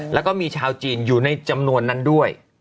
แล้วก็มีชาวจีนอยู่ในจำนวนนั้นด้วย